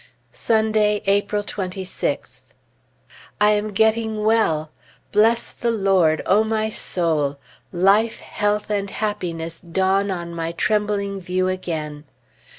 Sunday, April 26th. I am getting well! Bless the Lord, O my soul! Life, health, and happiness dawn on my trembling view again!...